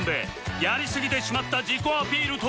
やりすぎてしまった自己アピールとは？